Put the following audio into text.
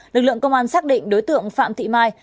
lực lượng công an xác định đối tượng phạm thị mai